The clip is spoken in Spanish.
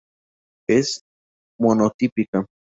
Es monotípica